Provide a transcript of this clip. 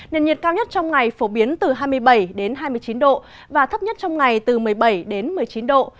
nền nhiệt cao nhất trong ngày phổ biến từ hai mươi bảy hai mươi chín độ và thấp nhất trong ngày từ một mươi bảy đến một mươi chín độ